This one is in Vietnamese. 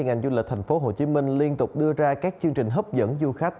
ngành du lịch tp hcm liên tục đưa ra các chương trình hấp dẫn du khách